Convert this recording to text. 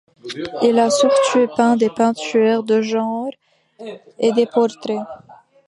Il a surtout peint des peintures de genre et des portraits.